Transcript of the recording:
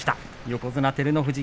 横綱照ノ富士